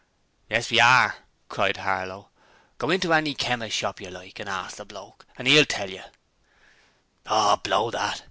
'Yes, we are!' cried Harlow. 'Go into any chemist's shop you like and ask the bloke, and 'e'll tell you ' 'Oh, blow that!'